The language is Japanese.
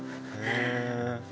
へえ。